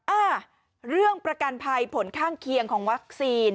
อ่าเรื่องประกันภัยผลข้างเคียงของวัคซีน